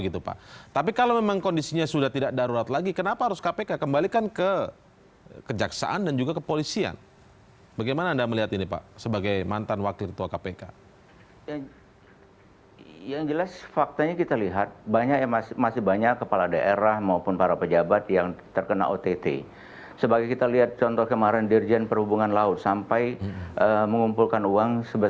tetaplah bersama kami di cnn indonesia prime news